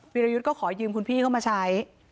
วิรายุทธ์ก็ขอยืมขึ้นมาใช้